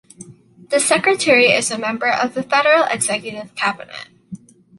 The Secretary is a member of the federal executive cabinet.